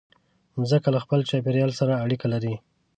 مځکه له خپل چاپېریال سره اړیکه لري.